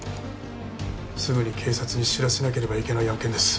すぐに警察に知らせなければいけない案件です。